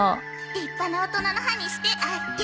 立派な大人の歯にしてあ・げ・る。